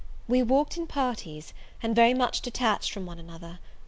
We walked in parties, and very much detached from one another.